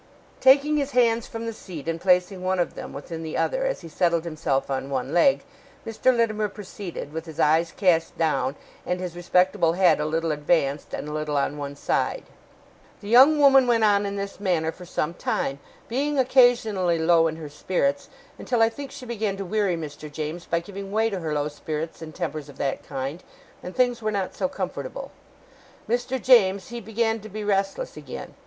Taking his hands from the seat, and placing one of them within the other, as he settled himself on one leg, Mr. Littimer proceeded, with his eyes cast down, and his respectable head a little advanced, and a little on one side: 'The young woman went on in this manner for some time, being occasionally low in her spirits, until I think she began to weary Mr. James by giving way to her low spirits and tempers of that kind; and things were not so comfortable. Mr. James he began to be restless again.